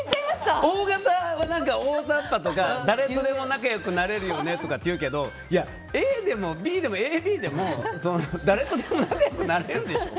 Ｏ型は、おおざっぱとか誰とでも仲良くなれるよねとか言うけどＡでもＢでもＡＢでも誰とでも仲良くなれるでしょ？